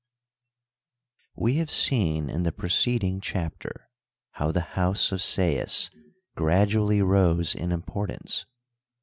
We have seen in the preceding chapter how the house of Sais gradually rose in importance.